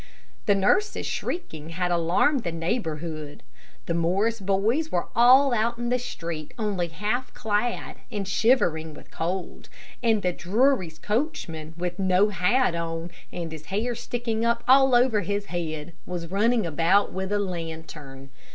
The nurse's shrieking had alarmed the neighborhood. The Morris boys were all out in the street only half clad and shivering with cold, and the Drurys' coachman, with no hat on, and his hair sticking up all over his head, was running about with a lantern.